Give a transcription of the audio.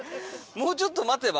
もうちょっと待てば？